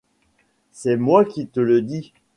C’est moi qui te le dis.